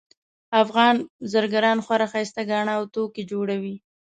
افغان زرګران خورا ښایسته ګاڼه او توکي جوړوي